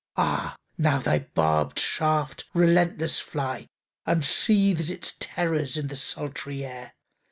—Ah now thy barbed shaft, relentless fly, Unsheaths its terrors in the sultry air!